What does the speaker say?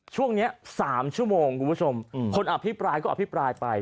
ช่วงนี้๓ชั่วโมงคุณผู้ชมคนอภิปรายก็อภิปรายไป